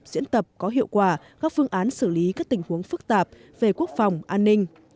diễn tập có hiệu quả các phương án xử lý các tình huống phức tạp về quốc phòng an ninh